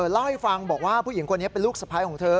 เล่าให้ฟังบอกว่าผู้หญิงคนนี้เป็นลูกสะพ้ายของเธอ